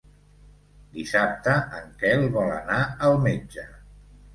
Dissabte en Quel vol anar al metge.